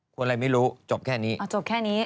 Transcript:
ควรอะไรไม่รู้จบแค่นี้